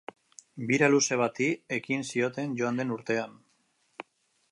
Bira luze bati ekin zioten joan den urtean.